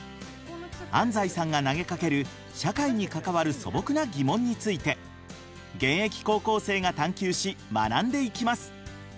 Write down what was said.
安斉さんが投げかける社会に関わる素朴な疑問について現役高校生が探究し学んでいきます。